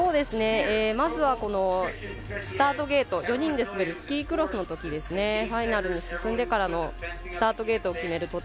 まずはスタートゲート４人で滑るスキークロスのときファイナルに進んでからのスタートゲートを決める